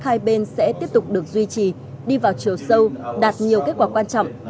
hai bên sẽ tiếp tục được duy trì đi vào chiều sâu đạt nhiều kết quả quan trọng